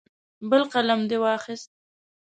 بل قلم دې واخیست.